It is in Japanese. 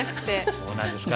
そうなんですか。